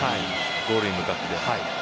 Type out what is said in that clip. ゴールへ向かって。